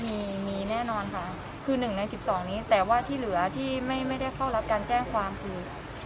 มีมีแน่นอนค่ะคือ๑ใน๑๒นี้แต่ว่าที่เหลือที่ไม่ได้เข้ารับการแจ้งความคือ